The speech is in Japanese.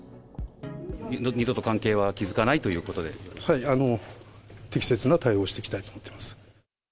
二度と関係は築かないというはい、あの、適切な対応をしていきたいと思っています。